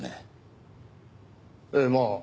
ええまあ